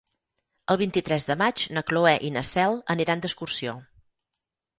El vint-i-tres de maig na Cloè i na Cel aniran d'excursió.